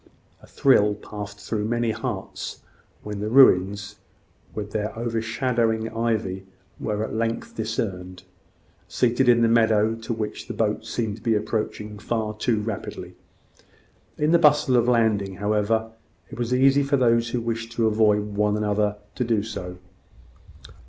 A thrill passed through many hearts when the ruins, with their overshadowing ivy, were at length discerned, seated in the meadow to which the boats seemed approaching far too rapidly. In the bustle of landing, however, it was easy for those who wished to avoid one another to do so.